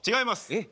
えっ？